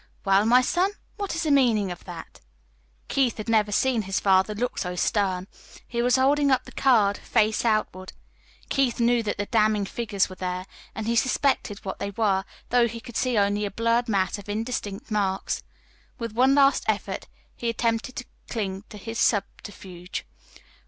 "Well, my son, what is the meaning of that?" Keith had never seen his father look so stern. He was holding up the card, face outward. Keith knew that the damning figures were there, and he suspected what they were, though he could see only a blurred mass of indistinct marks. With one last effort he attempted still to cling to his subterfuge.